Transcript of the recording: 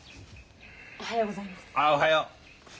おはようございます。